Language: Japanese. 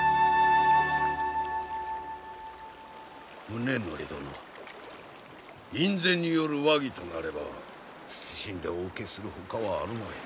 宗盛殿院宣による和議となれば謹んでお受けするほかはあるまい。